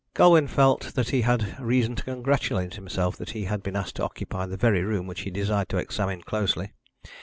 Colwyn felt that he had reason to congratulate himself that he had been asked to occupy the very room which he desired to examine closely.